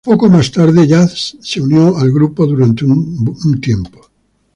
Poco más tarde, Jazz se unió al grupo durante un tiempo.